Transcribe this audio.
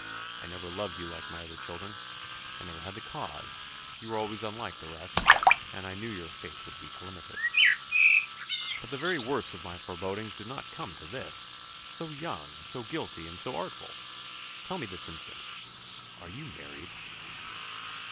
I never loved you like my other children I never had the cause: you were always unlike the rest and I knew your fate would be calamitous; but the very worst of my forebodings did not come to this so young, so guilty, and so artful! Tell me this instant, are you married?"